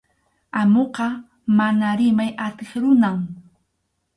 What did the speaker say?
Amuqa mana rimay atiq runam.